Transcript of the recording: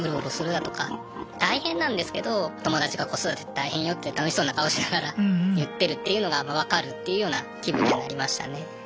大変なんですけど友達が子育て大変よって楽しそうな顔しながら言ってるっていうのが分かるっていうような気分になりましたね。